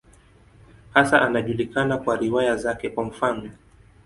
Hasa anajulikana kwa riwaya zake, kwa mfano.